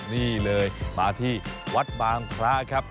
นี่เลยมาที่วัดบางพระครับ